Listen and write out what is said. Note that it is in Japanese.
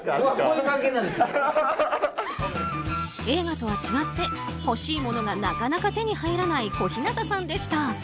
映画とは違って欲しいものがなかなか手に入らない小日向さんでした。